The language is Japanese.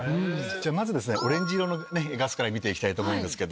まずですねオレンジ色のガスから見て行きたいと思うんですけど。